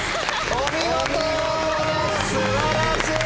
お見事です素晴らしい！